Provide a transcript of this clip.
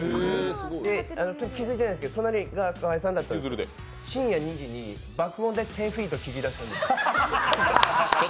気付いてないですけど隣が河井さんだったんですけと深夜２時に爆音で１０−ＦＥＥＴ聴き出すんです。